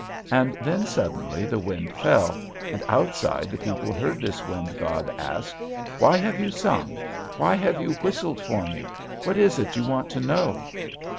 And then, suddenly, the wind fell, and outside the people heard this wind god ask: 'Why have you sung why have you whistled for me what is it you want to know?'